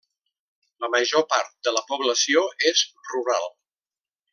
La major part de la població és rural.